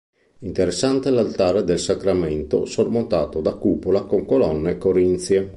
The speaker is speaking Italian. Interessante l'altare del Sacramento sormontato da cupola con colonne corinzie.